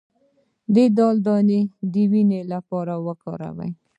د دال دانه د وینې لپاره وکاروئ